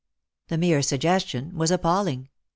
" The mere suggestion was appalling.